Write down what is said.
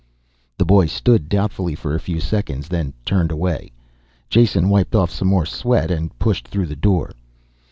The boy stood doubtfully for a few seconds, then turned away. Jason wiped off some more sweat and pushed through the door.